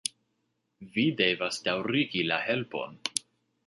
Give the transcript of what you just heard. Vi devas daŭrigi la helpon!